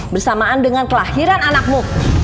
bersamaan dengan kelahiran anakmu